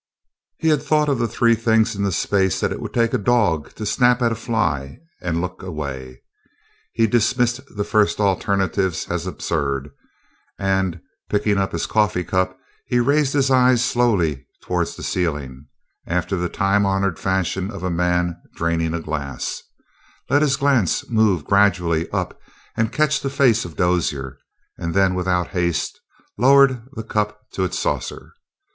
He had thought of the three things in the space that it would take a dog to snap at a fly and look away. He dismissed the first alternatives as absurd, and, picking up his cup of coffee, he raised his eyes slowly toward the ceiling, after the time honored fashion of a man draining a glass, let his glance move gradually up and catch on the face of Dozier, and then, without haste, lowered the cup again to its saucer.